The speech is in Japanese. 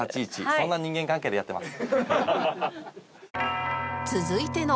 そんな人間関係でやってます。